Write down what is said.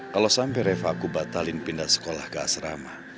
kalau sampai reva aku batalin pindah sekolah ke asrama